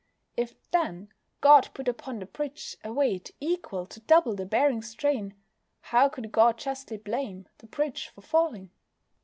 If, then, God put upon the bridge a weight equal to double the bearing strain, how could God justly blame the bridge for falling?